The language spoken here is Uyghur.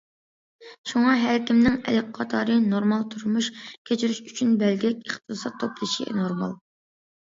شۇڭا ھەر كىمنىڭ ئەل قاتارى نورمال تۇرمۇش كەچۈرۈش ئۈچۈن بەلگىلىك ئىقتىساد توپلىشى نورمال.